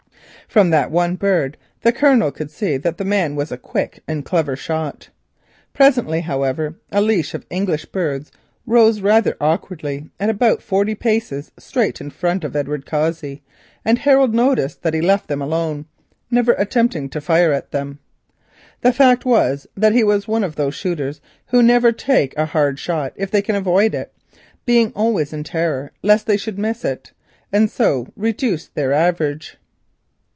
From that one bird the Colonel could see that the man was a quick and clever shot. Presently, however, a leash of English birds rose rather awkwardly at about forty paces straight in front of Edward Cossey, and Harold noticed that he left them alone, never attempting to fire at them. In fact he was one of those shooters who never take a hard shot if they can avoid it, being always in terror lest they should miss it and so reduce their average.